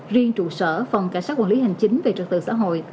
riêng trụ sở phòng cảnh sát quản lý hành chính về trật tự xã hội